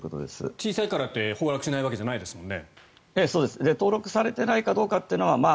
小さいからって崩落しないわけじゃないですもんね。